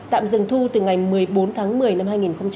tạm dừng thu từ ngày một mươi bốn tháng một mươi năm hai nghìn hai mươi